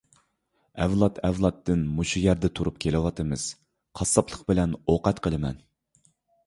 ئەۋلاد - ئەۋلادتىن مۇشۇ يەردە تۇرۇپ كېلىۋاتىمىز، قاسساپلىق بىلەن ئوقەت قىلىمەن.